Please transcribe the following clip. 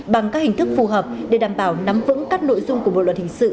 bằng các hình thức phù hợp để đảm bảo nắm vững các nội dung của bộ luật hình sự